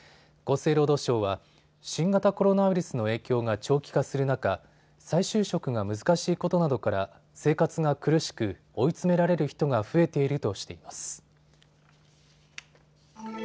厚生労働省は新型コロナウイルスの影響が長期化する中、再就職が難しいことなどから生活が苦しく追い詰められる人が増えているとしています。